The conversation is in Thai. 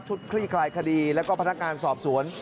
ชุดคลี่คลายคดีและพนักการสอบสวน